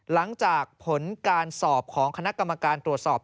หลังจากผลการสอบของคณะกรรมการตรวจสอบ